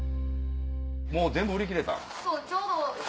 もう全部売り切れた？